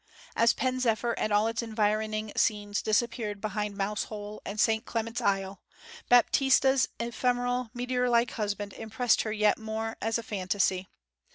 As Pen zephyr and all its environing scenes disappeared behind Mousehole and St Clement's Isle, Baptista's ephemeral, meteor like husband impressed her yet more as a fantasy.